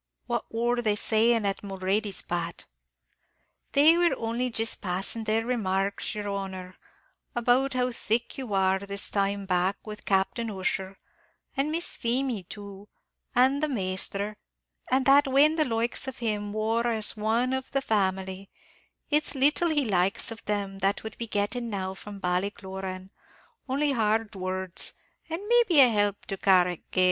"What wor they saying at Mulready's, Pat?" "They were only jist passin' their remarks, yer honor, about how thick you war this time back with Captain Ussher; an' Miss Feemy too, an' the masthur; an' that when the likes of him wor as one of the family, it's little the likes of them would be gettin' now from Ballycloran, only hard words, and maybe a help to Carrick Gaol."